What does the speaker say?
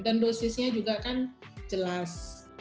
dosisnya juga kan jelas